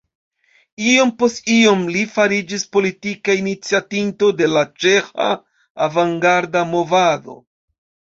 Iom post iom li fariĝis politika iniciatinto de la ĉeĥa avangarda movado.